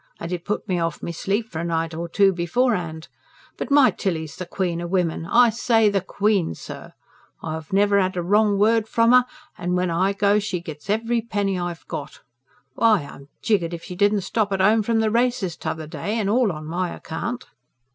And it put me off me sleep for a night or two before'and. But my Tilly's the queen o' women I say the queen, sir! I've never 'ad a wrong word from 'er, an' when I go she gits every penny I've got. Why, I'm jiggered if she didn't stop at 'ome from the Races t'other day, an' all on my account!"